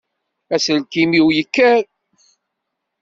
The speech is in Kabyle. Aselkim-iw yekker.